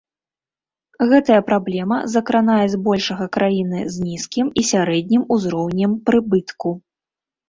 Гэтая праблема закранае збольшага краіны з нізкім і сярэднім узроўнем прыбытку.